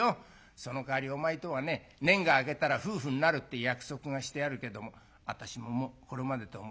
そのかわりお前とはね年季が明けたら夫婦になるって約束がしてあるけども私ももうこれまでと思って諦めるからね。